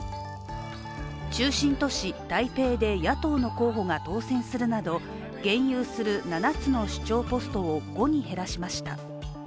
中心都市、台北で野党の候補が当選するなど現有する７つの首長ポストを５に減らしました。